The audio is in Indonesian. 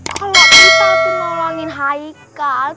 kalau kita tuh nolongin haikal